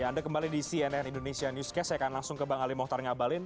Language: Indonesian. ya anda kembali di cnn indonesia newscast saya akan langsung ke bang ali mohtar ngabalin